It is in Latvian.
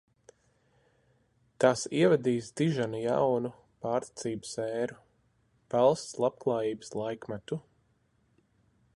Tās ievadīs diženu jaunu pārticības ēru, valsts labklājības laikmetu!